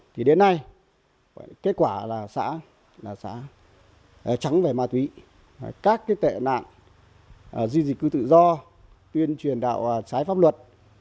thì đến nay kết quả là xã là xã trắng về ma túy các tệ nạn di dịch cư tự do tuyên truyền đạo trái pháp luật